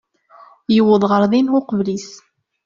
Yuweḍ ɣer din uqbel-is.